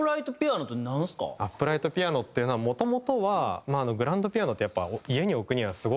アップライトピアノっていうのはもともとはグランドピアノってやっぱ家に置くにはすごく。